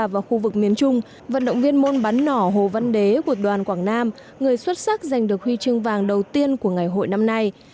và khu vực miền trung vận động viên môn bắn nỏ hồ văn đế của đoàn quảng nam người xuất sắc giành được huy chương vàng đầu tiên của ngày hội năm nay